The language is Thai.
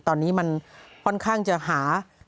ตอนนี้มันค่อนข้างจะหา